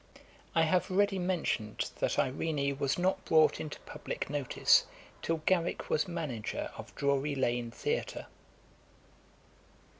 I have already mentioned that Irene was not brought into publick notice till Garrick was manager of Drury lane theatre.